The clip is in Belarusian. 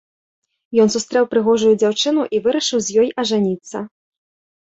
Ён сустрэў прыгожую дзяўчыну і вырашыў з ёй ажаніцца.